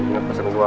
ya bener betul ya